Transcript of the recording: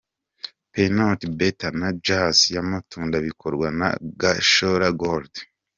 'Peanut butter' na 'Jus' y'amatunda bikorwa na 'Gashora Gold'.